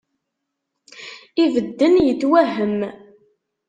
Ibedden yetwehhem